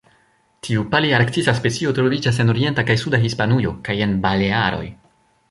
Tiu palearktisa specio troviĝas en orienta kaj suda Hispanujo, kaj en la Balearoj.